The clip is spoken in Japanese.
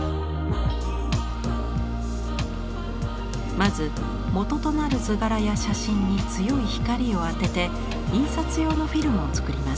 まずもととなる図柄や写真に強い光を当てて印刷用のフィルムを作ります。